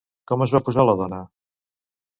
Com es va posar la dona?